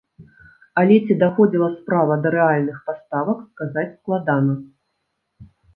Але ці даходзіла справа да рэальных паставак сказаць складана.